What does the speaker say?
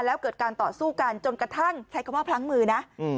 แล้วเกิดการต่อสู้กันจนกระทั่งใช้คำว่าพลั้งมือนะ